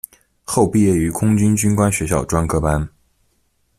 后毕业于空军军官学校专科班。